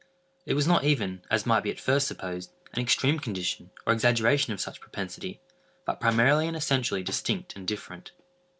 It was not even, as might be at first supposed, an extreme condition, or exaggeration of such propensity, but primarily and essentially distinct and different.